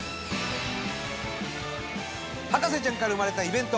『博士ちゃん』から生まれたイベント